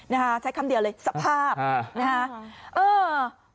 นะคะใช้คำเดียวเลยสภาพนะฮะเออ